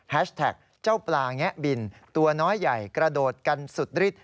แท็กเจ้าปลาแงะบินตัวน้อยใหญ่กระโดดกันสุดฤทธิ